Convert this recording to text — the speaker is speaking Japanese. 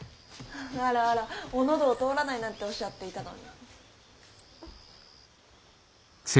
あらあらお喉を通らないなんておっしゃっていたのに。